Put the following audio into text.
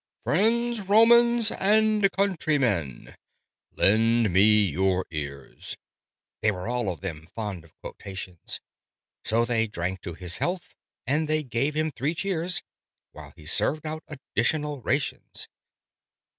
"Friends, Romans, and countrymen, lend me your ears!" (They were all of them fond of quotations: So they drank to his health, and they gave him three cheers, While he served out additional rations).